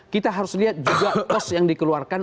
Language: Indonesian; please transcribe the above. kita harus lihat juga kos yang dikeluarkan